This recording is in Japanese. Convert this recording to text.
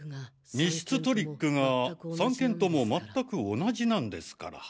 密室トリックが３件とも全く同じなんですから。